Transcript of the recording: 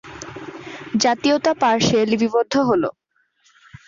জাতীয়তা পার্শ্বে লিপিবদ্ধ হল